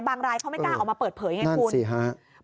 รายเขาไม่กล้าออกมาเปิดเผยไงคุณ